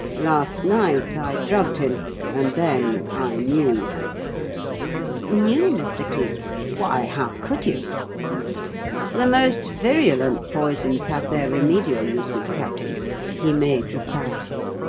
Last night I drugged him, and then I knew." "Knew, Mr. Cleek? Why, how could you?" "The most virulent poisons have their remedial uses, Captain," he made reply.